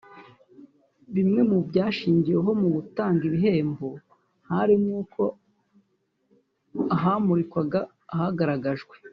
Bimwe mu byashingiweho mu gutanga ibihembo harimo uko ahamurikirwaga hagaragajwe